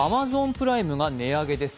プライムが値上げです。